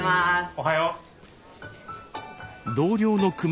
おはよう。